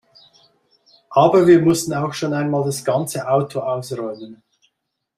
Aber wir mussten auch schon einmal das ganze Auto ausräumen.